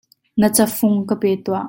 Na cafung ka pe tuah.